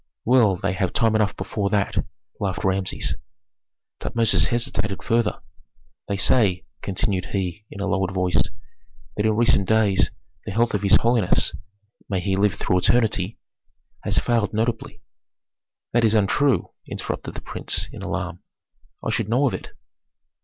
"Well, they have time enough before that," laughed Rameses. Tutmosis hesitated further. "They say," continued he, in a lowered voice, "that in recent days the health of his holiness may he live through eternity! has failed notably." "That is untrue!" interrupted the prince, in alarm. "I should know of it."